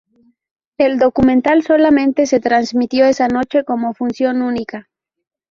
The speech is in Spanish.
El documental solamente se transmitió esa noche como función única.